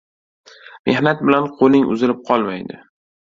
• Mehnat bilan qo‘ling uzilib qolmaydi.